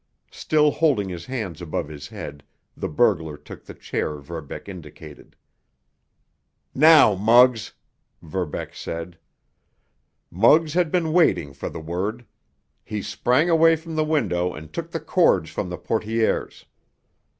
Still holding his hands above his head, the burglar took the chair Verbeck indicated. "Now, Muggs——" Verbeck said. Muggs had been waiting for the word. He sprang away from the window and took the cords from the portières.